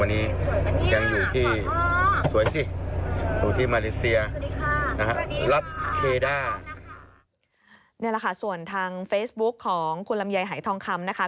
นี่แหละค่ะส่วนทางเฟซบุ๊กของคุณลำไยหายทองคำนะคะ